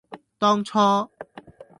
當初，